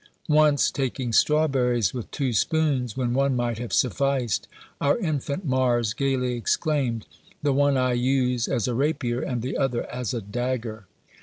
Once taking strawberries with two spoons, when one might have sufficed, our infant Mars gaily exclaimed, "The one I use as a rapier and the other as a dagger!"